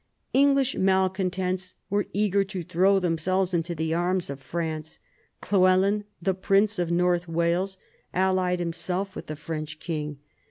English malcontents were eager to throw themselves into the arms of France. Llewelyn, the prince of North Wales, allied himself with the French king.